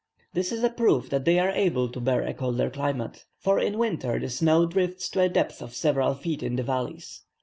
This is a proof that they are able to bear a colder climate; for in winter the snow drifts to a depth of several feet in the valleys.